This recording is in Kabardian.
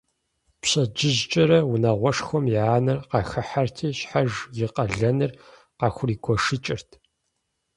Пщэдджыжькӏэрэ унагъуэшхуэм я анэр къахыхьэрти, щхьэж и къалэныр къахуригуэшэкӏырт.